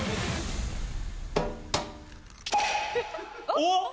おっ？